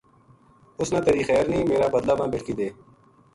اس نا تیری خیر نیہہ میر ا بدلہ ما بیٹکی بے دے